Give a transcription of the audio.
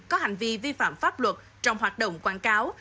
có hành vi vi phạm pháp luật trong hoạt động quảng cáo